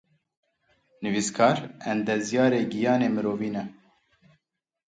Nivîskar, endezyarê giyanê mirovî ne.